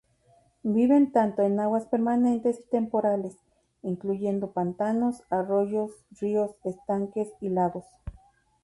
Viven tanto en aguas permanentes y temporales, incluyendo pantanos, arroyos, ríos, estanques y lagos.